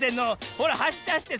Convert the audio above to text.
ほらはしってはしって。